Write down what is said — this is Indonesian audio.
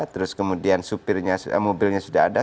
terus kemudian mobilnya sudah ada